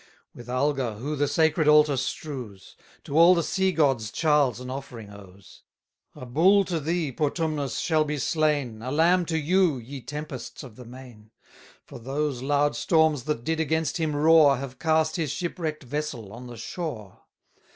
With alga who the sacred altar strews? To all the sea gods Charles an offering owes: 120 A bull to thee, Portumnus, shall be slain, A lamb to you, ye Tempests of the main: For those loud storms that did against him roar, Have cast his shipwreck'd vessel on the shore.